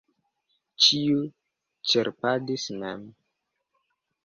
Ĉiu ĉerpadis mem.